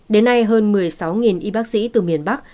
đến nay hơn một mươi sáu y bác sĩ từ miền bắc